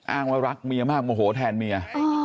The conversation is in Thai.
อ้างว่ารักเมียมากโมโหแทนเมีย